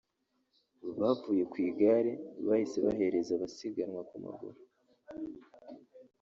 Bavuye ku igare bahise bahereza abasiganwa ku maguru